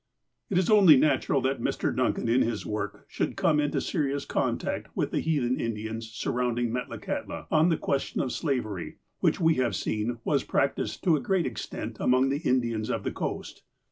'' It is only natural that Mr. Duncan, in his work, should come into serious contact with the heathen Indians sur rounding Metlakahtla on the question of slavery, which we have seen was practiced to a great extent among the Indians of the coast.